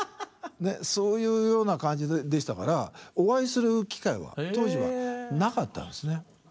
そういうような感じでしたからお会いする機会は当時はなかったんですね。